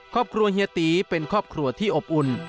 ครอบครัวเฮียตีเป็นครอบครัวที่อบอุ่น